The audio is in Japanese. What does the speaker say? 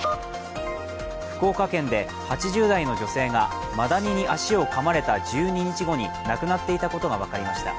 福岡県で８０代の女性がマダニに足をかまれた１２日後に亡くなっていたことが分かりました。